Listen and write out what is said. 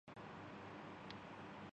یہ کوئی نسلی یا لسانی فوج نہیں ہے۔